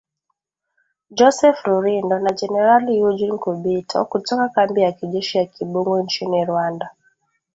Joseph Rurindo na jenerali Eugene Nkubito, kutoka kambi ya kijeshi ya Kibungo nchini Rwanda